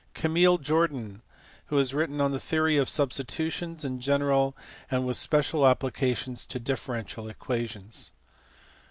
Camille Jordan, who has written on the theory of substi tutions in general and with special applications to differential equations.